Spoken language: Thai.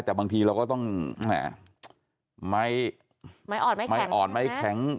แต่บางทีเราก็ต้องไม่อ่อนไม่แข็ง